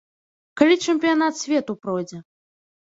Калі чэмпіянат свету пройдзе.